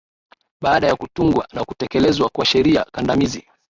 baada ya kutungwa na kutekelezwa kwa sheria kandamizi